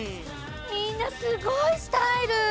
みんなすごいスタイル！